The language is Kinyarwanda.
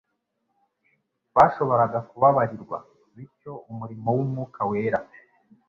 bashoboraga kubabarirwa; bityo umurimo w'Umwuka Wera